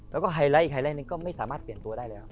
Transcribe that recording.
แล้วก็ไฮไลท์อีกไฮไลท์หนึ่งก็ไม่สามารถเปลี่ยนตัวได้แล้ว